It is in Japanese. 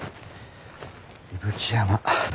伊吹山。